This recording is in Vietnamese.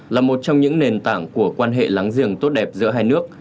là một trong những nền tảng của quan hệ láng giềng tốt đẹp giữa hai nước